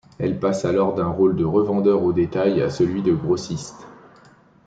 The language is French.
Elle passe alors d’un rôle de revendeur au détail à celui de grossiste.